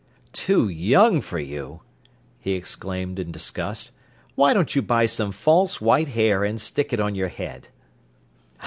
"Too young for you!" he exclaimed in disgust. "Why don't you buy some false white hair and stick it on your head."